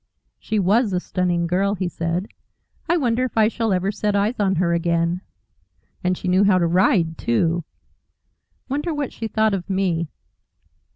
"She WAS a stunning girl," he said. "I wonder if I shall ever set eyes on her again. And she knew how to ride, too! Wonder what she thought of me."